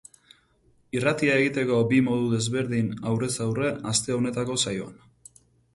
Irratia egiteko bi modu desberdin aurrez aurre aste honetako saioan.